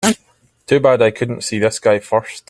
Too bad I couldn't see this guy first.